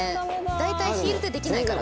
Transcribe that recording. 大体ヒールでできないから。